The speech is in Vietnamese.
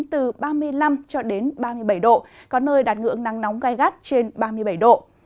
từ ba mươi năm cho đến ba mươi bảy độ có nơi đạt ngưỡng nắng nóng gai gắt trên ba mươi bảy độ